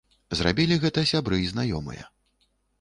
Зрабілі гэта сябры і знаёмыя.